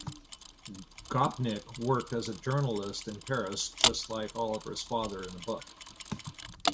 Gopnik worked as a journalist in Paris just like Oliver's father in the book.